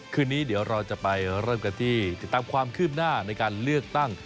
คืนนี้เดี๋ยวเราจะไปเริ่มกันที่ติดตามความคืบหน้าในการเลือกตั้ง